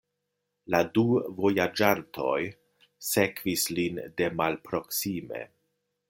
La du vojaĝantoj sekvis lin de malproksime.